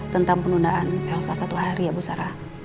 tentang penundaan elsa satu hari ya bu sarah